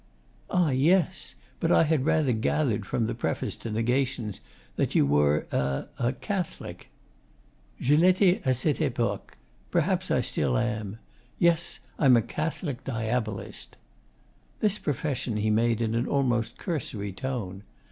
'Ah, yes.... But I had rather gathered from the preface to "Negations" that you were a a Catholic.' 'Je l'etais a cette epoque. Perhaps I still am. Yes, I'm a Catholic Diabolist.' This profession he made in an almost cursory tone.